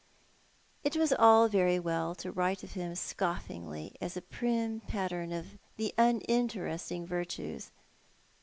It was all very well to write of him scoflfingly as a prim pattern of the uninteresting virtues.